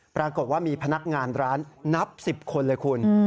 ปรากฏว่ามีพนักงานร้านนับ๑๐คนเลยคุณ